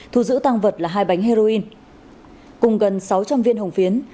thu giữ tăng vật là hai bánh heroin cùng gần sáu trăm linh viên hồng phiến